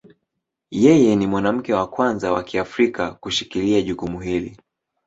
Yeye ni mwanamke wa kwanza wa Kiafrika kushikilia jukumu hili.